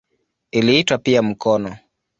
Iliitwa pia "mkono".